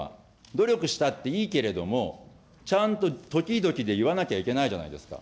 努力したっていいけれども、ちゃんと時々で言わなきゃいけないじゃないですか。